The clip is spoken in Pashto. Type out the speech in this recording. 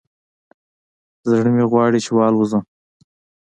زړه مې غواړي چې والوزم